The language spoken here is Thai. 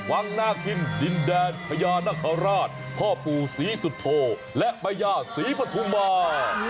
วังหน้าคิมดินแดนขยานขราชพ่อผู้ศรีสุโธและมายาศรีปทุมบา